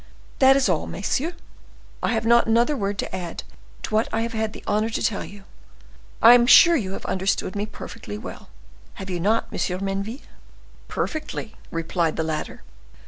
That is all, messieurs; I have not another word to add to what I have had the honor to tell you. I am sure you have understood me perfectly well, have you not, M. Menneville?" "Perfectly," replied the latter.